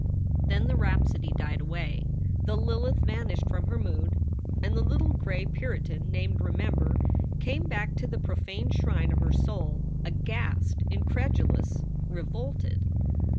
Then the rhapsody died away. The Lilith vanished from her mood, and the little gray Puritan named Remember came back to the profaned shrine of her soul, aghast, incredu lous, revolted.